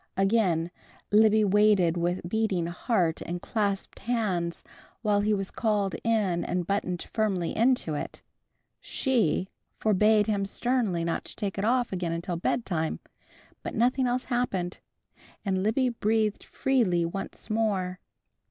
Again Libby waited with beating heart and clasped hands while he was called in and buttoned firmly into it. She forbade him sternly not to take it off again till bedtime, but nothing else happened, and Libby breathed freely once more.